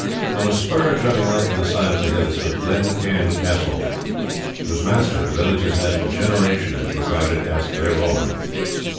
On a spur jutting out from the side of the hill stood Glen Cairn Castle, whose master the villagers had for generations regarded as their lord.